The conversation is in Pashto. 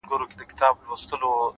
• گراني بس څو ورځي لا پاته دي ـ